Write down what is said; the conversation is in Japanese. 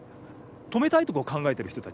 止めたいと考えている人たち。